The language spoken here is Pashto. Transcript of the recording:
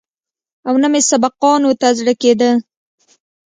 او نه مې سبقانو ته زړه کېده.